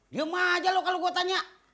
diem aja loh kalau gue tanya